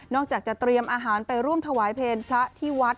จากจะเตรียมอาหารไปร่วมถวายเพลงพระที่วัด